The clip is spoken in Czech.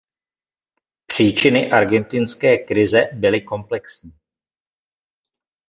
Příčiny argentinské krize byly komplexní.